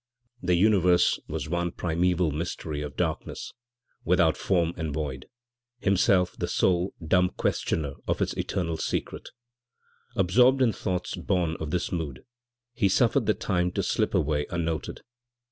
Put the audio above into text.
The universe was one primeval mystery of darkness, without form and void, himself the sole, dumb questioner of its eternal secret. Absorbed in thoughts born of this mood, he suffered the time to slip away unnoted.